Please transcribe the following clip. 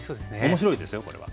面白いですよこれは。